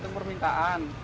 jadi pesanan untuk acara acara